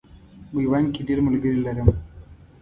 میوند کې ډېر ملګري لرم.